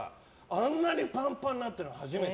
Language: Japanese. あんなにパンパンになったの初めて。